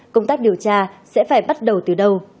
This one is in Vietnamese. công tác điều tra sẽ phải bắt đầu từ đâu